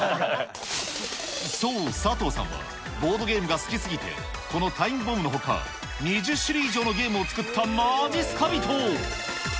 そう、佐藤さんは、ボードゲームが好き過ぎて、このタイムボムのほか、２０種類以上のゲームを作ったまじっすか人。